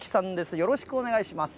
よろしくお願いします。